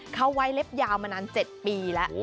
เขาไว้เล็บยาวมานาน๗ปีแล้ว